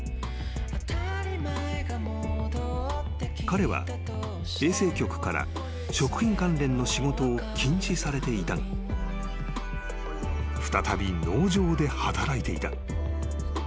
［彼は衛生局から食品関連の仕事を禁止されていたが再び農場で働いていた］